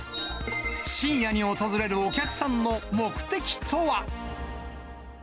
深夜に訪れるお客さんの目的とは。